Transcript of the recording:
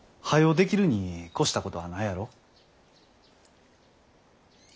できるに越したことはないやろ。